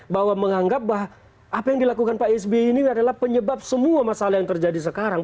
bahwa menganggap bahwa apa yang dilakukan pak sby ini adalah penyebab semua masalah yang terjadi sekarang